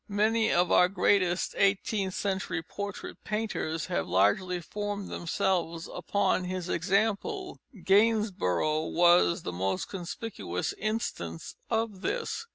Many of our greatest eighteenth century portrait painters have largely formed themselves upon his example. Gainsborough was the most conspicuous instance of this.